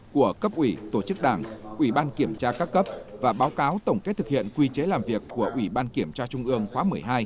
của cấp ủy tổ chức đảng ủy ban kiểm tra các cấp và báo cáo tổng kết thực hiện quy chế làm việc của ủy ban kiểm tra trung ương khóa một mươi hai